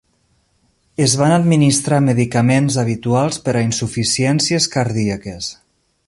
Es van administrar medicaments habituals per a insuficiències cardíaques.